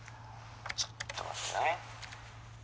ちょっと待ってね」。